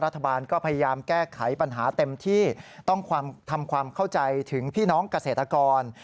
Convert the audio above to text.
ไถปัญหาเต็มที่ต้องทำความเข้าใจถึงพี่น้องเกษตรกร